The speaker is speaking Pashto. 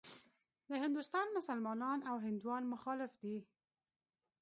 د هندوستان مسلمانان او هندوان مخالف دي.